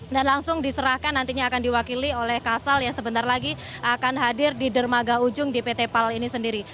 dan langsung diserahkan nantinya akan diwakili oleh kasal yang sebentar lagi akan hadir di dermaga ujung di pt pal ini sendiri